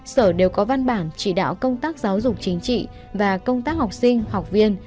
sở đều có văn bản chỉ đạo công tác giáo dục chính trị và công tác học sinh học viên